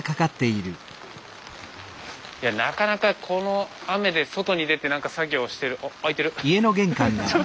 いやなかなかこの雨で外に出てなんか作業してるあっ。